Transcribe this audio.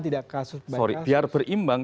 tidak kasus sorry biar berimbang